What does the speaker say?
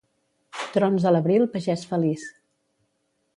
Trons a l'abril, pagès feliç.